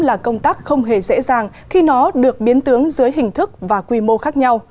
là công tác không hề dễ dàng khi nó được biến tướng dưới hình thức và quy mô khác nhau